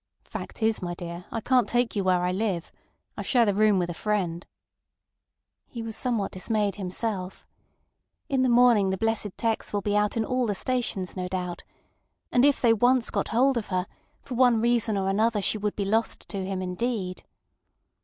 "Fact is, my dear, I can't take you where I live. I share the room with a friend." He was somewhat dismayed himself. In the morning the blessed 'tecs will be out in all the stations, no doubt. And if they once got hold of her, for one reason or another she would be lost to him indeed.